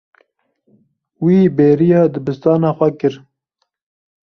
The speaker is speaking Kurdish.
Wî bêriya dibistana xwe kir.